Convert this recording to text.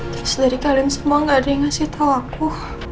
terus dari kalian semua gak ada yang ngasih tahu aku